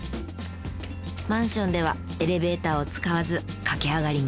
マンションではエレベーターを使わず駆け上がります。